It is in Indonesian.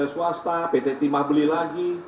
swasta pt timah beli lagi